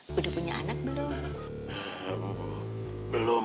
belum punya anak belum